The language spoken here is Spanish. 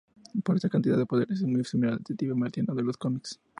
Por esta cantidad de poderes, es muy similar al Detective Marciano de los cómics.